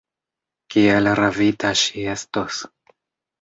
Kiel ravita ŝi estos!